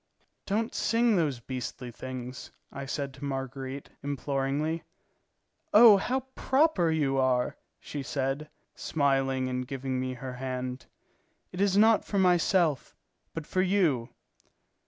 "Don't sing those beastly things," I said to Marguerite, imploringly. "Oh, how proper you are!" she said, smiling and giving me her hand. "It is not for myself, but for you."